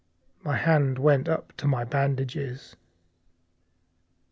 My hand went up to my bandages.